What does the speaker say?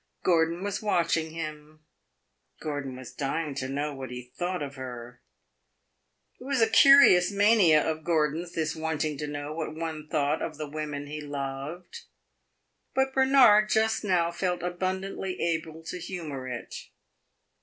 Gordon was watching him; Gordon was dying to know what he thought of her. It was a curious mania of Gordon's, this wanting to know what one thought of the women he loved; but Bernard just now felt abundantly able to humor it.